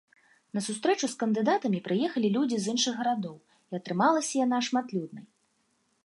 На сустрэчу з кандыдатамі прыехалі людзі з іншых гарадоў, і атрымалася яна шматлюднай.